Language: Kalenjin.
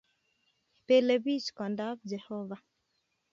Belee bich kondab jehovah